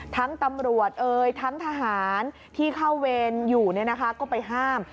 ทั้งตำรวจทั้งทหารที่เข้าเวนอยู่ก็ไปห้าม